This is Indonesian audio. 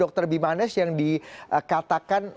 dokter bimanes yang dikatakan